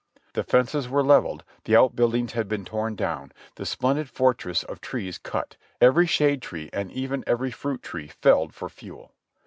The fences were levelled, the out buildings had been torn down, the splendid forest of trees cut, every shade tree and even every fruit tree felled for fuel.